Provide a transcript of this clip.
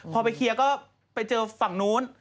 พอไปเคลียร์ก็ไปเจอฝั่งนู้น